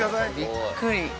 びっくり。